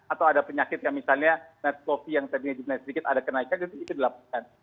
atau ada penyakit yang misalnya narkosofi yang sedikit ada kenaikan itu dilaporkan